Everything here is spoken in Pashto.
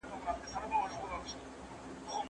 آیا تاسې د ماکس وِبر کتابونه لوستي دي؟